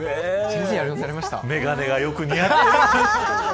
眼鏡がよく似合ってて。